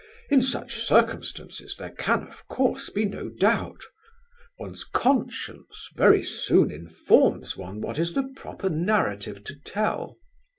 In such circumstances there can, of course, be no doubt. One's conscience very soon informs one what is the proper narrative to tell.